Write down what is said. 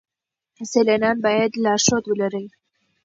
سیلانیان باید لارښود ولرئ.